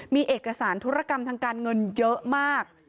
มีเอกสารธุรกรรมทางการเงินเยอะมาก